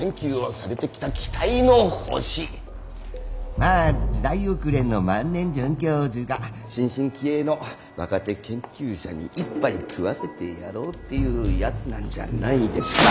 まあ時代遅れの万年准教授が新進気鋭の若手研究者に一杯食わせてやろうっていうやつなんじゃないですか。